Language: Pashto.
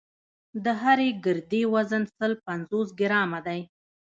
د هرې ګردې وزن سل پنځوس ګرامه دی.